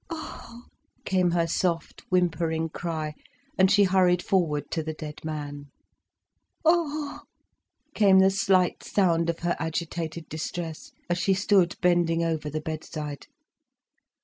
"Ah!" came her soft whimpering cry, and she hurried forward to the dead man. "Ah h!" came the slight sound of her agitated distress, as she stood bending over the bedside.